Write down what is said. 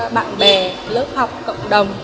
bạn bè lớp học cộng đồng